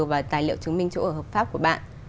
và tài liệu chứng minh chỗ ở hợp pháp của bạn